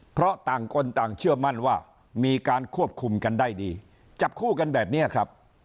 เพราะต่างคนต่างเชื่อมั่นว่ามีการควบคุมกันได้ดีจับคู่กันแบบนี้ครับ